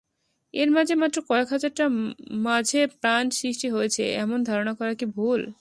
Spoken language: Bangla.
এর মাঝে মাত্র কয়েক হাজারটার মাঝে প্রাণ সৃষ্টি হয়েছে এমন ধারণা করা কী ভুল?